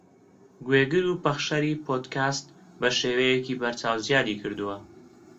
گوێگر و پەخشەری پۆدکاست بەشێوەیەکی بەرچاو زیادی کردووە